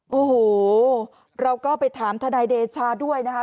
โอ้โหเราก็ไปถามทนายเดชาด้วยนะคะ